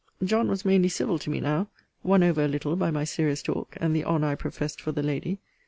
John was mainly civil to me now; won over a little by my serious talk, and the honour I professed for the lady.